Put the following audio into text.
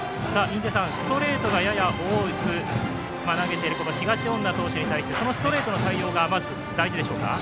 ストレートがやや多く投げている東恩納投手に対してそのストレートの対応がまず大事でしょうか。